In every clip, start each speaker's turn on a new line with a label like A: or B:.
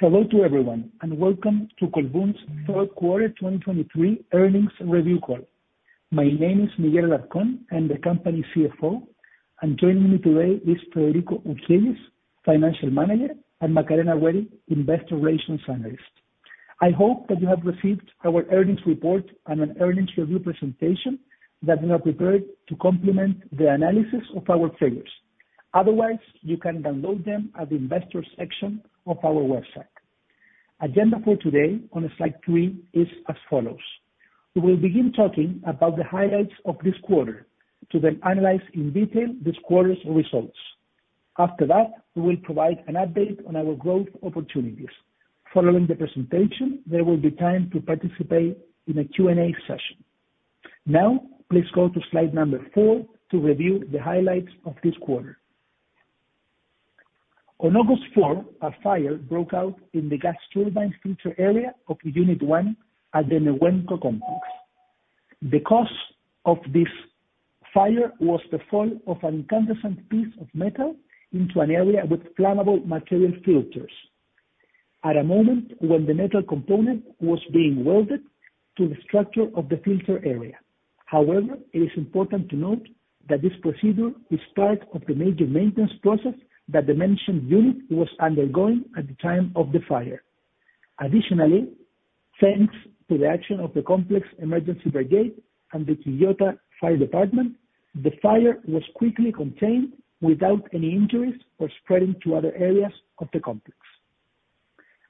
A: Hello to everyone, and welcome to Colbún's Q3 2023 earnings review call. My name is Miguel Alarcón, I'm the company's CFO, and joining me today is Federico Urgell, Financial Manager, and Macarena Rueda, Investor Relations Analyst. I hope that you have received our earnings report and an earnings review presentation that we have prepared to complement the analysis of our figures. Otherwise, you can download them at the investor section of our website. Agenda for today, on slide three is as follows: We will begin talking about the highlights of this quarter, to then analyze in detail this quarter's results. After that, we will provide an update on our growth opportunities. Following the presentation, there will be time to participate in a Q&A session. Now, please go to slide number four to review the highlights of this quarter. On August 4, a fire broke out in the gas turbine filter area of unit 1 at the Nehuenco complex. The cause of this fire was the fall of an incandescent piece of metal into an area with flammable material filters at a moment when the metal component was being welded to the structure of the filter area. However, it is important to note that this procedure is part of the major maintenance process that the mentioned unit was undergoing at the time of the fire. Additionally, thanks to the action of the complex emergency brigade and the Quillota Fire Department, the fire was quickly contained without any injuries or spreading to other areas of the complex.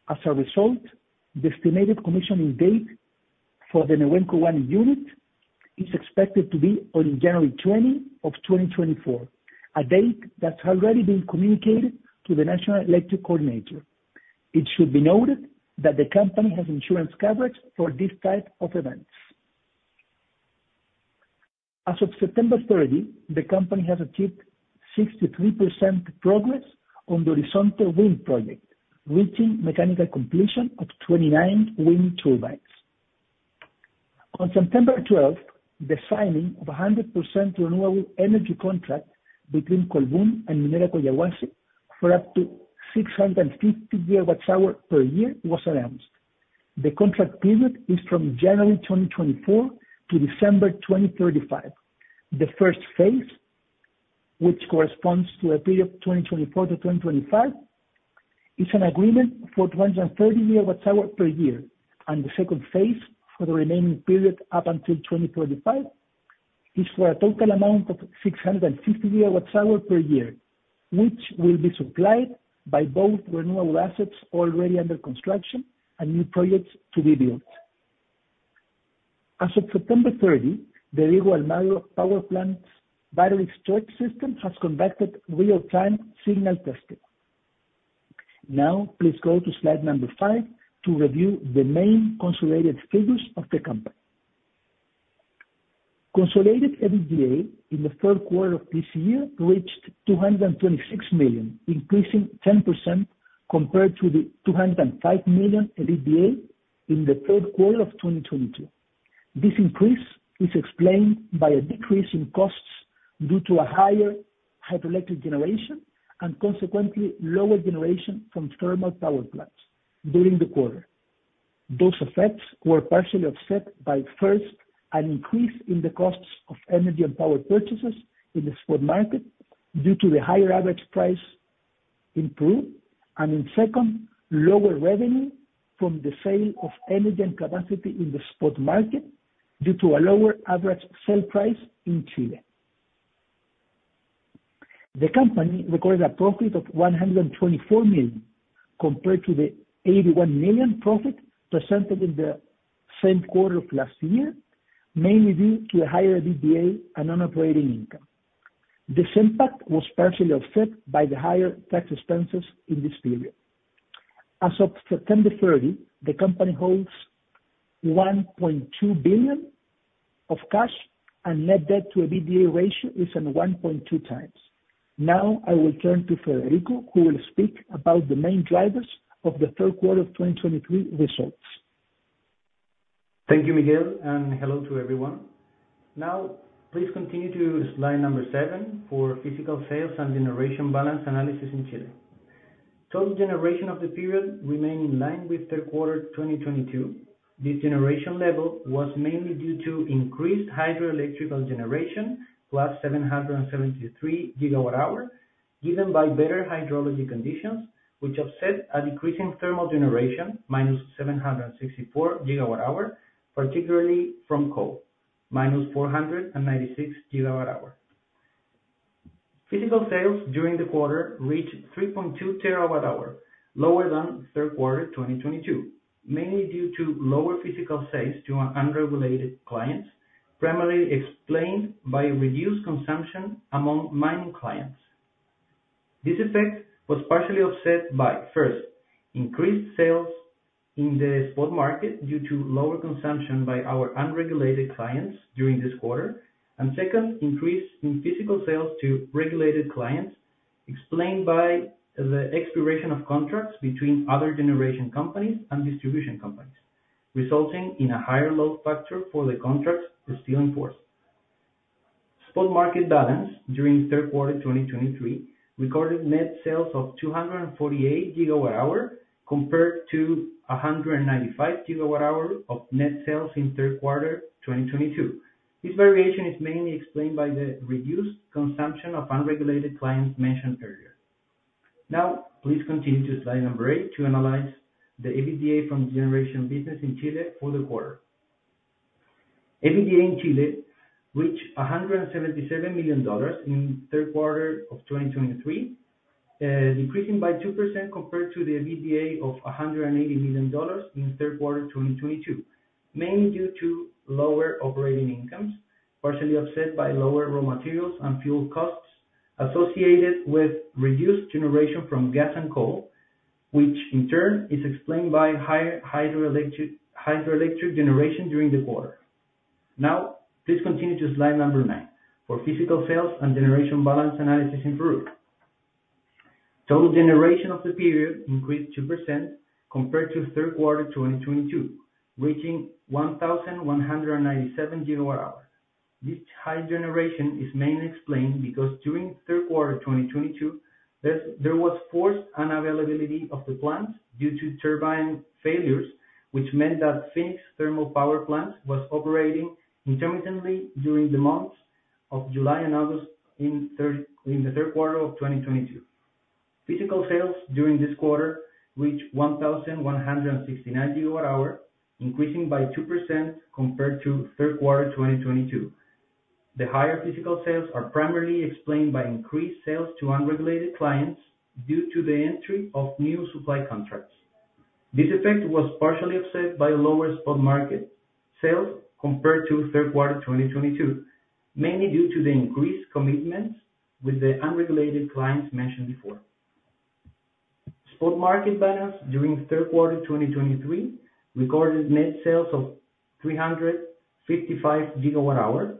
A: As a result, the estimated commissioning date for the Nehuenco One unit is expected to be on January 20, 2024, a date that's already been communicated to the National Electric Coordinator. It should be noted that the company has insurance coverage for these type of events. As of September 30, the company has achieved 63% progress on the Horizonte Wind Project, reaching mechanical completion of 29 wind turbines. On September 12, the signing of a 100% renewable energy contract between Colbún and Minera Collahuasi for up to 650 GWh per year was announced. The contract period is from January 2024 to December 2035. The first phase, which corresponds to a period of 2024 to 2025, is an agreement for 230 GWh per year, and the second phase, for the remaining period up until 2035, is for a total amount of 650 GWh per year, which will be supplied by both renewable assets already under construction and new projects to be built. As of September 30, the Diego de Almagro Power Plant's battery storage system has conducted real-time signal testing. Now, please go to slide number five to review the main consolidated figures of the company. Consolidated EBITDA in the Q3 of this year reached $226 million, increasing 10% compared to the $205 million EBITDA in the Q3 of 2022. This increase is explained by a decrease in costs due to a higher hydroelectric generation, and consequently, lower generation from thermal power plants during the quarter. Those effects were partially offset by, first, an increase in the costs of energy and power purchases in the spot market due to the higher average price in Peru. And in second, lower revenue from the sale of energy and capacity in the spot market, due to a lower average sale price in Chile. The company recorded a profit of $124 million, compared to the $81 million profit presented in the same quarter of last year, mainly due to a higher EBITDA and non-operating income. This impact was partially offset by the higher tax expenses in this period. As of September 30, the company holds $1.2 billion of cash, and net debt to EBITDA ratio is 1.2x. Now, I will turn to Federico, who will speak about the main drivers of the Q3 of 2023 results.
B: Thank you, Miguel, and hello to everyone. Now, please continue to slide number seven for physical sales and generation balance analysis in Chile. Total generation of the period remained in line with Q3 2022. This generation level was mainly due to increased hydroelectric generation, +773 GWh, given by better hydrological conditions, which offset a decrease in thermal generation, -764 GWh, particularly from coal, -496 GWh. Physical sales during the quarter reached 3.2 TWh, lower than Q3 2022, mainly due to lower physical sales to our unregulated clients, primarily explained by a reduced consumption among mining clients. This effect was partially offset by, first, increased sales in the spot market due to lower consumption by our unregulated clients during this quarter. Second, increase in physical sales to regulated clients, explained by the expiration of contracts between other generation companies and distribution companies, resulting in a higher load factor for the contract that's still in force. Spot market balance during Q3 2023 recorded net sales of 248 GWh, compared to 195 GWh of net sales in Q3 2022. This variation is mainly explained by the reduced consumption of unregulated clients mentioned earlier. Now, please continue to slide number eight to analyze the EBITDA from generation business in Chile for the quarter. EBITDA in Chile reached $177 million in Q3 of 2023, decreasing by 2% compared to the EBITDA of $180 million in Q3 2022, mainly due to lower operating incomes, partially offset by lower raw materials and fuel costs associated with reduced generation from gas and coal, which in turn is explained by higher hydroelectric generation during the quarter. Now, please continue to slide number nine, for physical sales and generation balance analysis in Peru. Total generation of the period increased 2% compared to Q3 2022, reaching 1,197 GWh. This high generation is mainly explained because during Q3 2022, there was forced unavailability of the plants due to turbine failures, which meant that Fénix Thermal Power Plant was operating intermittently during the months of July and August, in the Q3 of 2022. Physical sales during this quarter reached 1,169 GWh, increasing by 2% compared to Q3 2022. The higher physical sales are primarily explained by increased sales to unregulated clients due to the entry of new supply contracts. This effect was partially offset by lower Spot Market sales compared to Q3 2022, mainly due to the increased commitments with the unregulated clients mentioned before. Spot market balance during Q3 2023 recorded net sales of 355 GWh,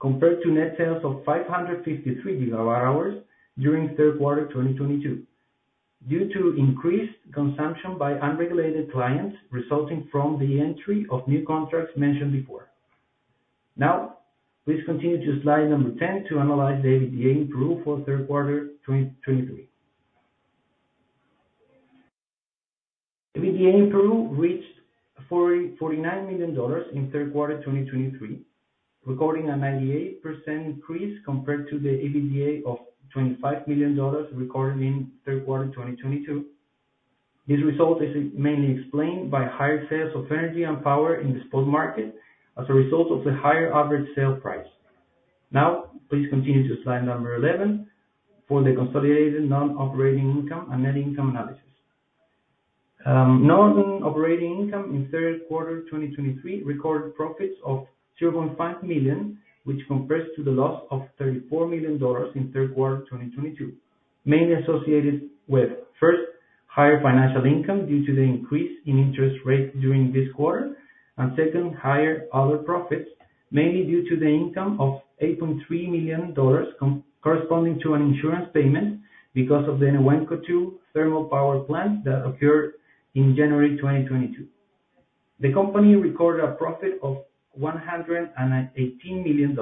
B: compared to net sales of 553 GWh during Q3 2022, due to increased consumption by unregulated clients, resulting from the entry of new contracts mentioned before. Now, please continue to slide 10 to analyze the EBITDA in Peru for Q3 2023. EBITDA in Peru reached $49 million in Q3 2023, recording a 98% increase compared to the EBITDA of $25 million recorded in Q3 2022. This result is mainly explained by higher sales of energy and power in the spot market as a result of the higher average sale price. Now, please continue to slide 11 for the consolidated non-operating income and net income analysis. Non-operating income in Q3 2023 recorded profits of $0.5 million, which compares to the loss of $34 million in Q3 2022, mainly associated with, first, higher financial income due to the increase in interest rates during this quarter. And second, higher other profits, mainly due to the income of $8.3 million corresponding to an insurance payment because of the Nehuenco Two thermal power plant that occurred in January 2022. The company recorded a profit of $118 million,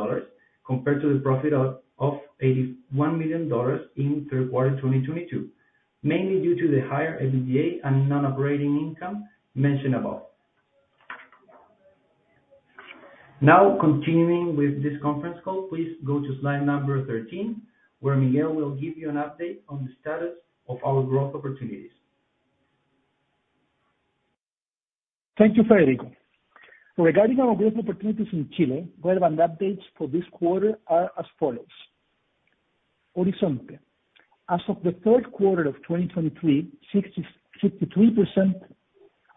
B: compared to the profit of $81 million in Q3 2022, mainly due to the higher EBITDA and non-operating income mentioned above. Now, continuing with this conference call, please go to slide 13, where Miguel will give you an update on the status of our growth opportunities.
A: Thank you, Federico. Regarding our growth opportunities in Chile, relevant updates for this quarter are as follows: Horizonte. As of the Q3 of 2023, 63%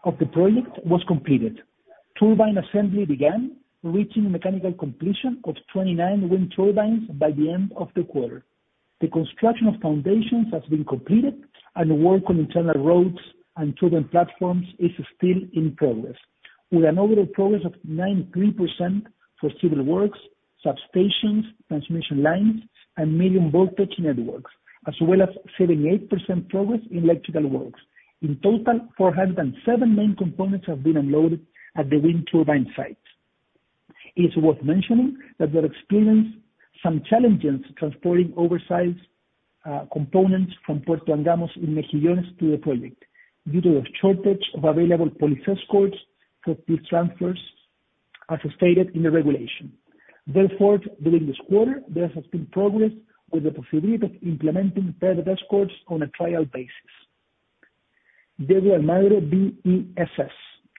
A: of the project was completed. Turbine assembly began, reaching mechanical completion of 29 wind turbines by the end of the quarter. The construction of foundations has been completed, and work on internal roads and turbine platforms is still in progress, with an overall progress of 93% for civil works, substations, transmission lines, and medium voltage networks, as well as 78% progress in electrical works. In total, 407 main components have been unloaded at the wind turbine sites. It's worth mentioning that we are experiencing some challenges transporting oversized components from Puerto Angamos in Mejillones to the project, due to a shortage of available police escorts for these transfers, as stated in the regulation. Therefore, during this quarter, there has been progress with the possibility of implementing private escorts on a trial basis. Diego de Almagro BESS.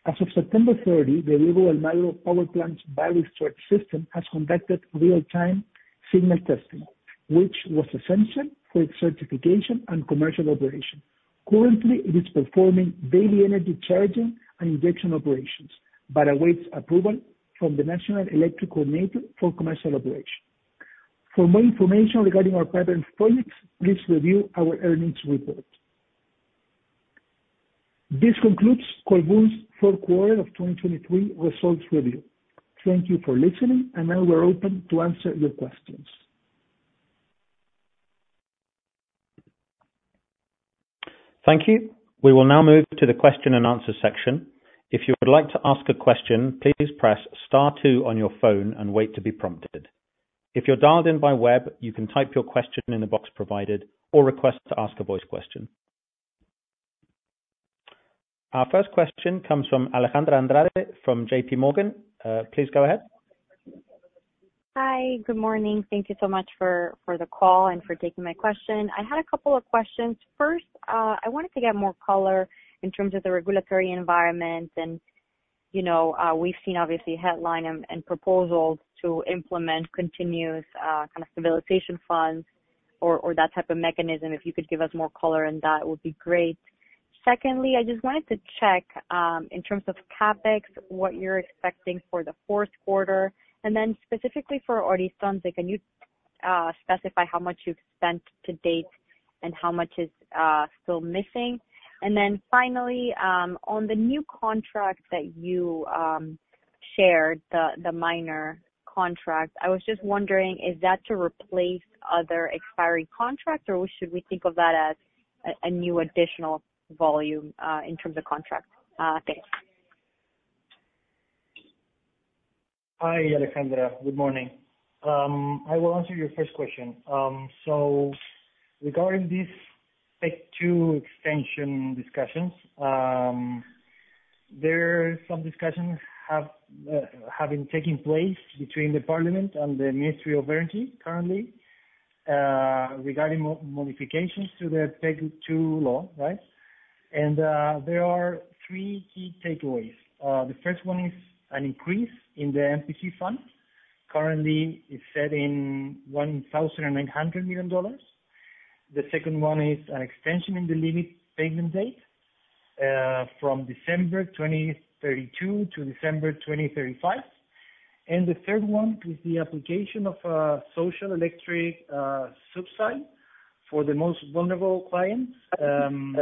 A: As of September 30, the Diego de Almagro Power Plant's battery storage system has conducted real-time signal testing, which was essential for its certification and commercial operation. Currently, it is performing daily energy charging and injection operations, but awaits approval from the National Electric Coordinator for commercial operation. For more information regarding our current projects, please review our earnings report.... This concludes Colbún's Q4 of 2023 results review. Thank you for listening, and now we're open to answer your questions.
C: Thank you. We will now move to the question and answer section. If you would like to ask a question, please press star two on your phone and wait to be prompted. If you're dialed in by web, you can type your question in the box provided or request to ask a voice question. Our first question comes from Alejandra Andrade from JPMorgan. Please go ahead.
D: Hi, good morning. Thank you so much for the call and for taking my question. I had a couple of questions. First, I wanted to get more color in terms of the regulatory environment, and, you know, we've seen obviously headline and proposals to implement continuous kind of stabilization funds or that type of mechanism. If you could give us more color on that, would be great. Secondly, I just wanted to check in terms of CapEx, what you're expecting for the Q4? And then specifically for Horizonte, can you specify how much you've spent to date and how much is still missing? And then finally, on the new contract that you shared, the miner contract, I was just wondering, is that to replace other expiring contracts, or should we think of that as a new additional volume in terms of contracts? Thanks.
B: Hi, Alejandra. Good morning. I will answer your first question. So regarding these PEC 2 extension discussions, there are some discussions have been taking place between the parliament and the Ministry of Energy currently, regarding modifications to the PEC 2 Law, right? And there are three key takeaways. The first one is an increase in the MPC Fund. Currently, it's set in $1.9 billion. The second one is an extension in the limit payment date, from December 2032 to December 2035. And the third one is the application of a social electric subsidy for the most vulnerable clients. And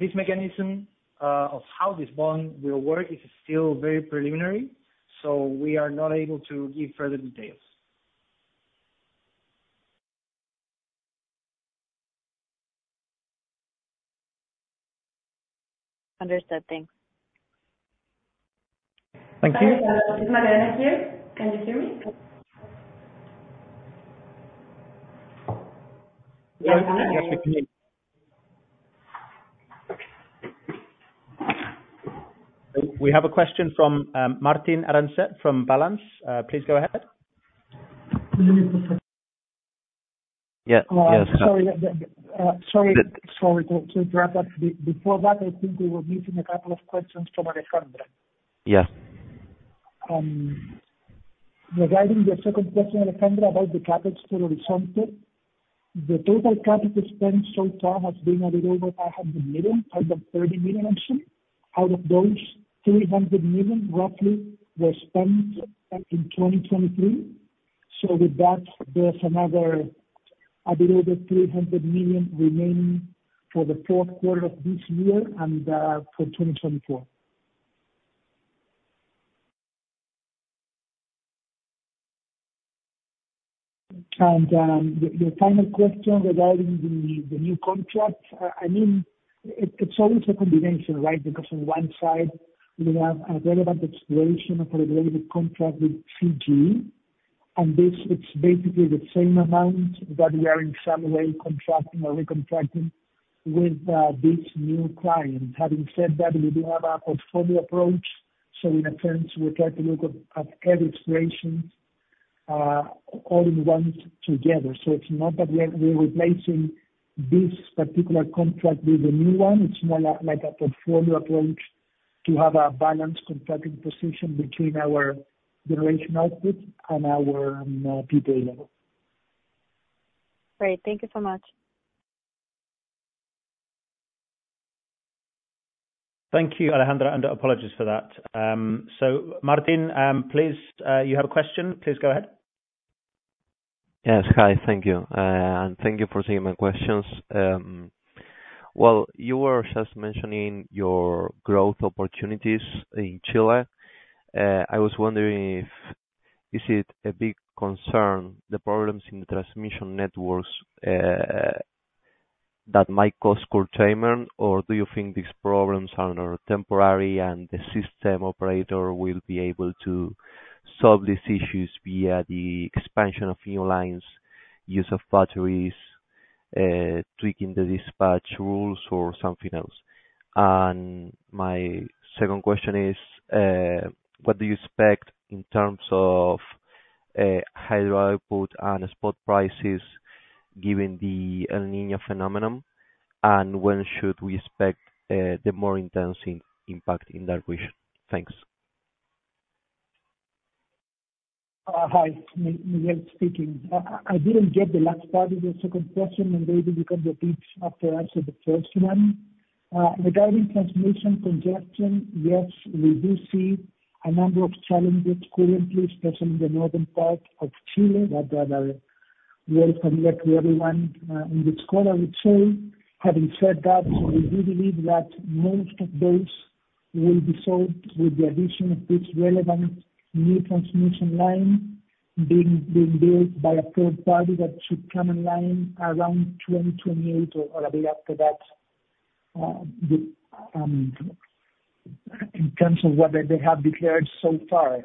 B: this mechanism of how this bond will work is still very preliminary, so we are not able to give further details.
D: Understood. Thanks.
C: Thank you. Is Mariana here? Can you hear me? We have a question from Martín Arancet from Balanz. Please go ahead.
E: Yeah. Yes.
A: Sorry, sorry to interrupt that. Before that, I think we were missing a couple of questions from Alejandra.
E: Yeah.
A: Regarding the second question, Alejandra, about the CapEx to Horizonte. The total CapEx spent so far has been a little over $500 million, $530 million, actually. Out of those, $300 million roughly were spent in 2023. So with that, there's another a little over $300 million remaining for the Q4 of this year and for 2024. The final question regarding the new contract, I mean, it's always a combination, right? Because on one side, we have a relevant exploration of a relevant contract with CGE. And this is basically the same amount that we are in some way contracting or recontracting with this new client. Having said that, we do have a portfolio approach, so in a sense, we try to look at every exploration all in one together. So it's not that we're replacing this particular contract with a new one. It's more like a portfolio approach to have a balanced contracting position between our generation output and our PPA level.
D: Great. Thank you so much.
C: Thank you, Alejandra, and apologies for that. So Martin, please, you have a question? Please go ahead.
E: Yes. Hi, thank you. And thank you for taking my questions. Well, you were just mentioning your growth opportunities in Chile. I was wondering if, is it a big concern, the problems in the transmission networks, that might cause curtailment, or do you think these problems are temporary and the system operator will be able to solve these issues via the expansion of new lines, use of batteries, tweaking the dispatch rules or something else? And my second question is, what do you expect in terms of, hydro output and spot prices, given the El Niño phenomenon, and when should we expect, the more intense impact in that region? Thanks.
A: Hi, Miguel speaking. I didn't get the last part of your second question, and maybe you can repeat after I answer the first one. Regarding transmission congestion, yes, we do see a number of challenges currently, especially in the northern part of Chile, that there are-... Welcome back to everyone on this call, I would say. Having said that, we do believe that most of those will be solved with the addition of this relevant new transmission line being built by a third party that should come online around 2028 or a bit after that, in terms of whether they have declared so far.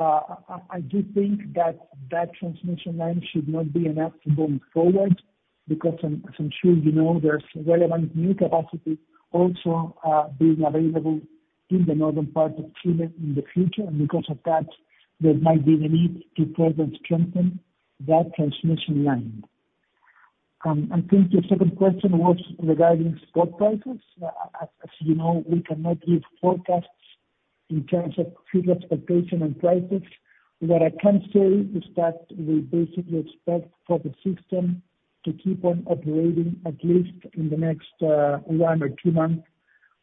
A: I do think that that transmission line should not be enough to move forward, because as I'm sure you know, there's relevant new capacity also being available in the northern part of Chile in the future. And because of that, there might be the need to further strengthen that transmission line. I think your second question was regarding spot prices. As you know, we cannot give forecasts in terms of future expectation and prices. What I can say is that we basically expect for the system to keep on operating, at least in the next one or two months,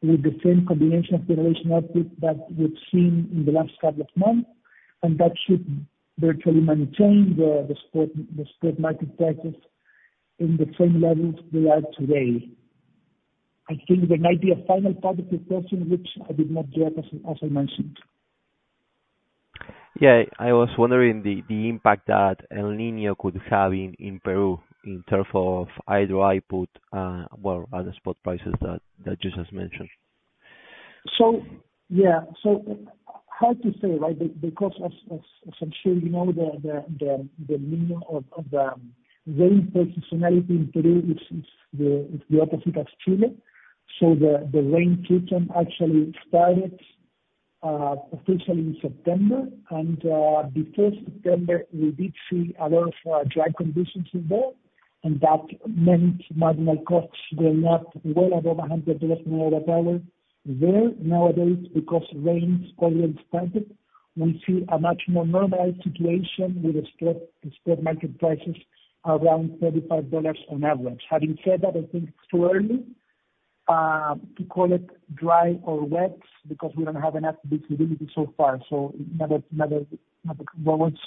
A: with the same combination of generation output that we've seen in the last couple of months, and that should virtually maintain the spot market prices in the same levels they are today. I think there might be a final third question, which I did not get, as I mentioned.
E: Yeah, I was wondering the impact that El Niño could have in Peru in terms of hydro output, well, other spot prices that you just mentioned.
A: So, yeah, so hard to say, right? Because as I'm sure you know, the meaning of the rain seasonality in Peru, it's the opposite of Chile. So the rain season actually started officially in September, and the first September, we did see a lot of dry conditions in there, and that meant marginal costs going up well above $100 per hour. Nowadays, because rains already started, we see a much more normalized situation with the spot market prices around $35 on average. Having said that, I think it's too early to call it dry or wet, because we don't have enough visibility so far, so in other words,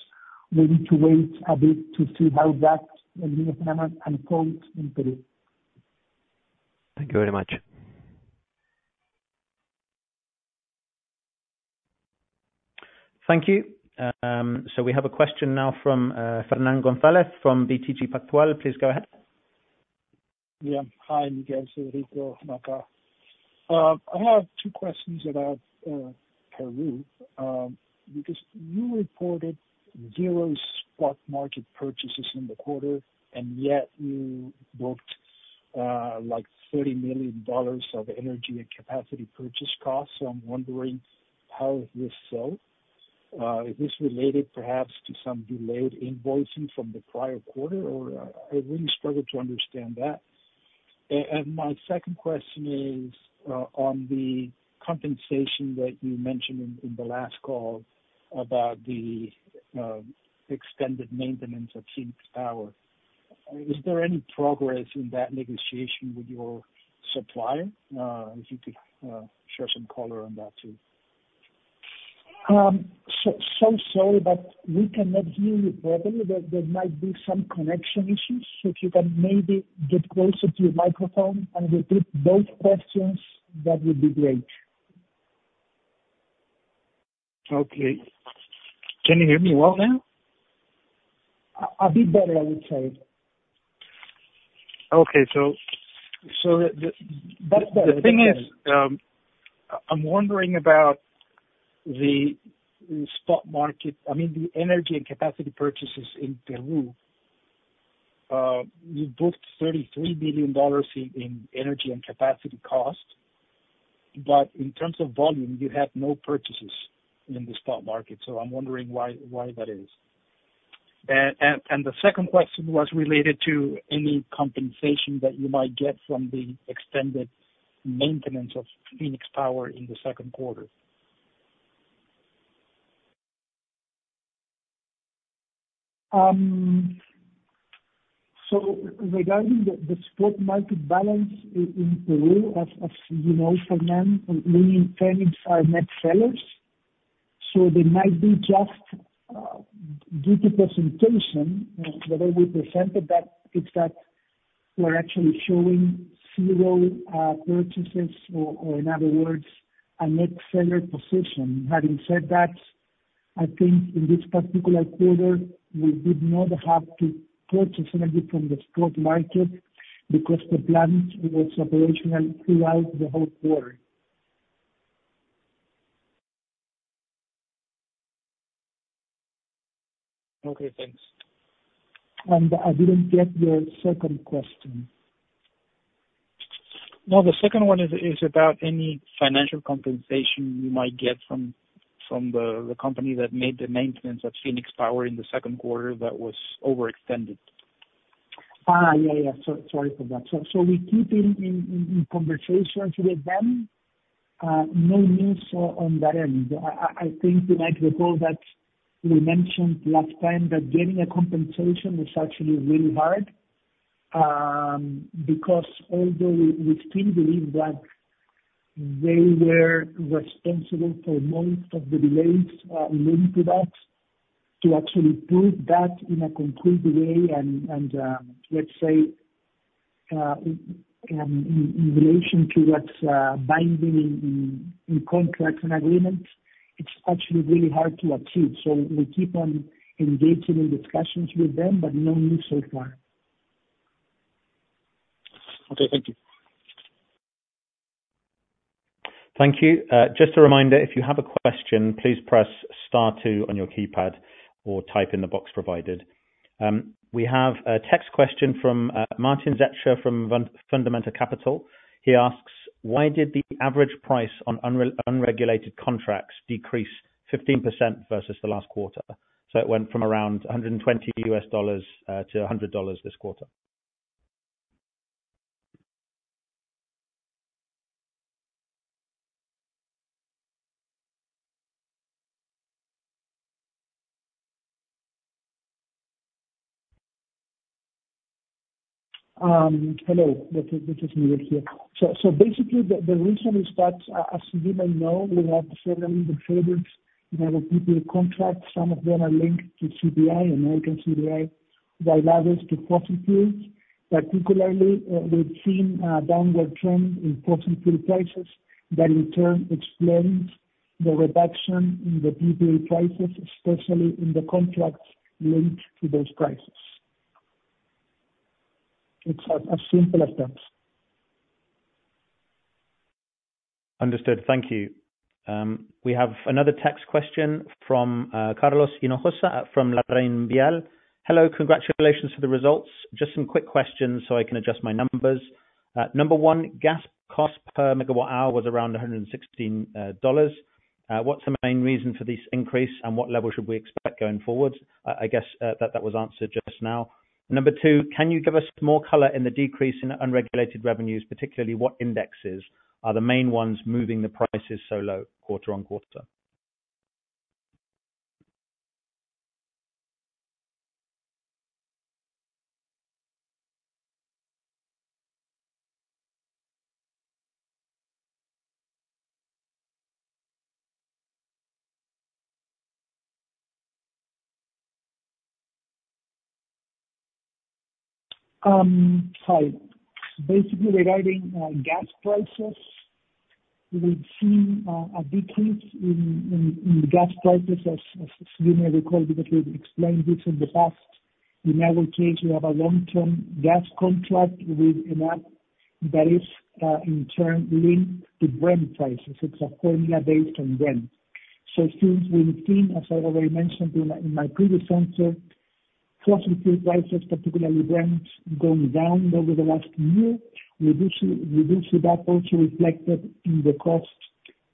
A: we need to wait a bit to see how that El Niño phenomenon unfolds in Peru.
E: Thank you very much.
C: Thank you. So we have a question now from Fernán González from BTG Pactual. Please go ahead.
F: Yeah. Hi, Miguel, Federico, Maca. I have two questions about Peru, because you reported zero spot market purchases in the quarter, and yet you booked like $30 million of energy and capacity purchase costs. So I'm wondering, how is this so? Is this related perhaps to some delayed invoicing from the prior quarter, or I really struggle to understand that. And my second question is on the compensation that you mentioned in the last call about the extended maintenance of Fénix Power. Is there any progress in that negotiation with your supplier? If you could share some color on that too.
A: So, so sorry, but we cannot hear you properly. There might be some connection issues. So if you can maybe get closer to your microphone and repeat both questions, that would be great.
F: Okay. Can you hear me well now?
A: A bit better, I would say.
F: Okay, so the-
A: That's better.
F: The thing is, I'm wondering about the spot market... I mean, the energy and capacity purchases in Peru. You booked $33 million in energy and capacity costs, but in terms of volume, you had no purchases in the spot market, so I'm wondering why that is. The second question was related to any compensation that you might get from the extended maintenance of Fenix Power in the Q2.
A: So regarding the spot market balance in Peru, as you know, Fernán, we in Fénix are net sellers, so they might be just due to presentation, the way we presented that, it's that we're actually showing zero purchases or, in other words, a net seller position. Having said that, I think in this particular quarter, we did not have to purchase energy from the spot market because the plant was operational throughout the whole quarter.
F: Okay, thanks.
A: I didn't get your second question.
F: No, the second one is about any financial compensation you might get from the company that made the maintenance at Fenix Power in the Q2 that was overextended.
A: Ah, yeah, yeah. So, sorry for that. So, we keep in conversations with them. No news on that end. I think you might recall that we mentioned last time that getting a compensation is actually really hard, because although we still believe that they were responsible for most of the delays, linked to that, to actually put that in a complete way and, let's say, in relation to what's binding in contracts and agreements, it's actually really hard to achieve. So we keep on engaging in discussions with them, but no news so far.
F: Okay, thank you.
C: Thank you. Just a reminder, if you have a question, please press star two on your keypad or type in the box provided. We have a text question from Martin Zetia from Fundamental Capital. He asks, "Why did the average price on unregulated contracts decrease 15% versus the last quarter? So it went from around $120 to $100 this quarter.
A: Hello, this is Miguel here. Basically, the reason is that, as you may know, we have several PPAs, we have a PPA contract. Some of them are linked to CPI, American CPI, while others to CPI. Particularly, we've seen a downward trend in spot prices, that in turn explains the reduction in the PPA prices, especially in the contracts linked to those prices. It's as simple as that.
C: Understood. Thank you. We have another text question from Carlos Hinojosa. Hello, congratulations for the results. Just some quick questions so I can adjust my numbers. Number one, gas cost per MWh was around $116. What's the main reason for this increase, and what level should we expect going forward? I guess that was answered just now. Number two, can you give us more color in the decrease in unregulated revenues, particularly what indexes are the main ones moving the prices so low quarter-over-quarter?
A: Hi. Basically, regarding gas prices, we've seen a decrease in the gas prices, as you may recall, because we've explained this in the past. In our case, we have a long-term gas contract with ENAP that is in turn linked to Brent prices. It's accordingly based on Brent. So since we've seen, as I already mentioned in my previous answer, fossil fuel prices, particularly Brent, going down over the last year, we do see that also reflected in the cost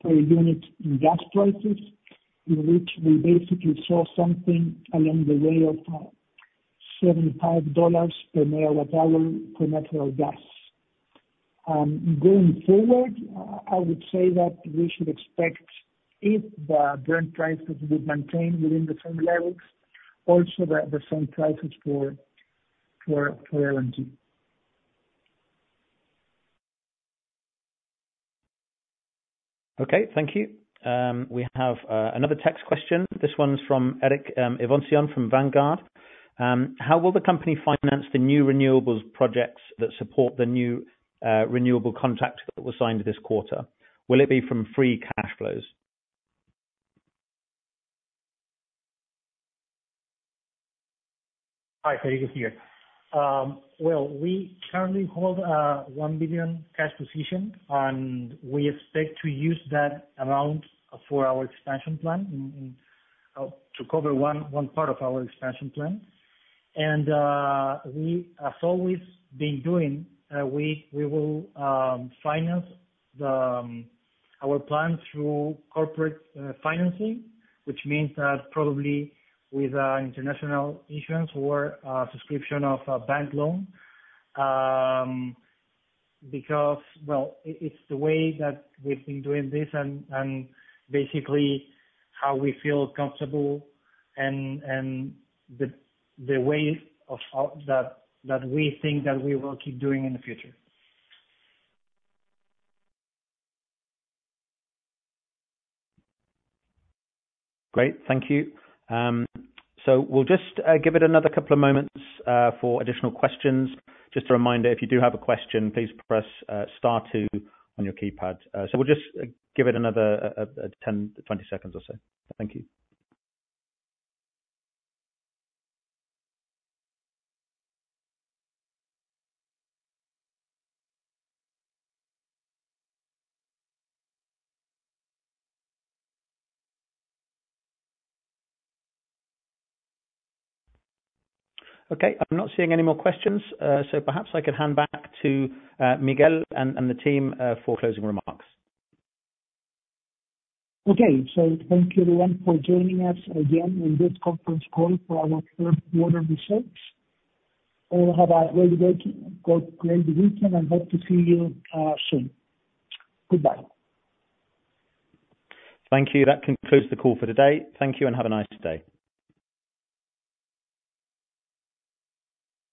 A: per unit in gas prices, in which we basically saw something along the way of $75/MWh of natural gas. Going forward, I would say that we should expect, if the Brent prices will maintain within the same levels, also the same prices for LNG.
C: Okay, thank you. We have another text question. This one's from Eric Evancian from Vanguard. How will the company finance the new renewables projects that support the new renewable contracts that were signed this quarter? Will it be from free cash flows?
B: Hi, Federico here. Well, we currently hold $1 billion cash position, and we expect to use that amount for our expansion plan, to cover one part of our expansion plan. And, we, as always been doing, we will finance our plan through corporate financing, which means that probably with international issuance or subscription of a bank loan, because... Well, it's the way that we've been doing this and basically how we feel comfortable and the way of that we think that we will keep doing in the future.
C: Great. Thank you. So we'll just give it another couple of moments for additional questions. Just a reminder, if you do have a question, please press star two on your keypad. So we'll just give it another 10, 20 seconds or so. Thank you. Okay. I'm not seeing any more questions, so perhaps I could hand back to Miguel and the team for closing remarks.
A: Okay. Thank you everyone for joining us again in this conference call for our Q3 results. Have a really great, great weekend, and hope to see you soon. Goodbye.
C: Thank you. That concludes the call for the day. Thank you, and have a nice day.